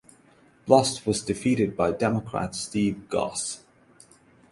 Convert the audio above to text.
Blust was defeated by Democrat Steve Goss.